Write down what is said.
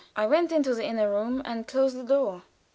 I went into the inner room and closed the door.